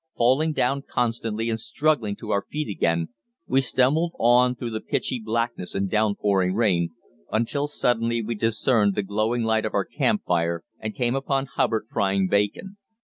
Falling down constantly and struggling to our feet again, we stumbled on through the pitchy blackness and down pouring rain, until suddenly we discerned the glowing light of our campfire and came upon Hubbard frying bacon.